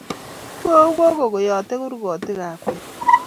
Mwou gogoo koyotei kurgotikab keny